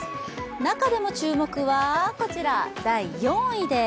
中でも注目はこちら第４位です。